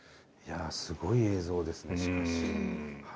いやすごい映像ですねしかし。